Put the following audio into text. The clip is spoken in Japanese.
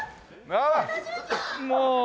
もう。